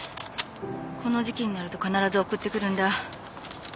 この時期になると必ず送ってくるんだ。